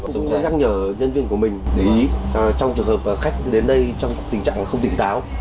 chúng sẽ nhắc nhở nhân viên của mình để ý trong trường hợp khách đến đây trong tình trạng không tỉnh táo